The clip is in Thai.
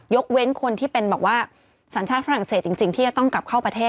เว้นคนที่เป็นแบบว่าสัญชาติฝรั่งเศสจริงที่จะต้องกลับเข้าประเทศ